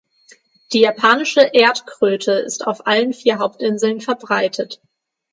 Die Japanische Erdkröte ist auf allen vier Hauptinseln verbreitet.